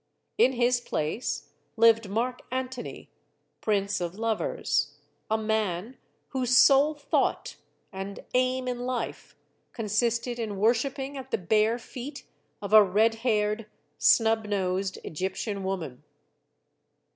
In his place lived Mark Antony, prince of lovers; a man whose sole thought and aim in life consisted in worshipping at the bare feet of a red haired, snub nosed Egyptian woman.